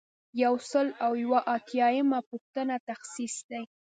یو سل او یو اتیایمه پوښتنه تخصیص دی.